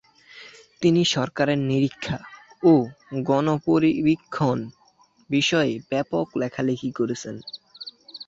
তিনি সরকারের নিরীক্ষা ও গণপরিবীক্ষণ বিষয়ে ব্যাপক লেখালেখি করেছেন।